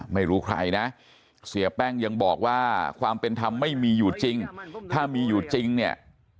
ไม่รู้ใครนะเสียแป้งยังบอกว่าความเป็นธรรมไม่มีอยู่จริงถ้ามีอยู่จริงเนี่ย